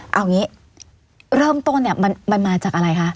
เอาอย่างนี้เริ่มต้นเนี่ยมันมาจากอะไรคะ